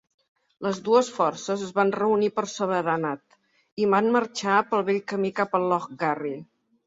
Les dues forces es van reunir per sobre d'Annat i van marxar pel vell camí cap al Loch Garry.